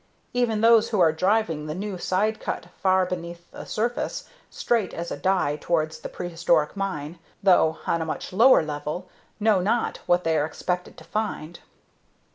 Even those who are driving the new side cut far beneath the surface, straight as a die towards the prehistoric mine, though on a much lower level, know not what they are expected to find.